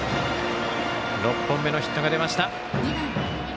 ６本目のヒットが出ました。